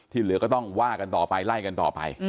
เหลือก็ต้องว่ากันต่อไปไล่กันต่อไป